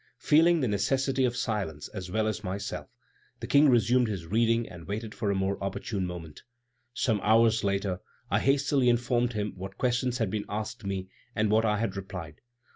Feeling the necessity of silence as well as myself, the King resumed his reading and waited for a more opportune moment. Some hours later, I hastily informed him what questions had been asked me and what I had replied."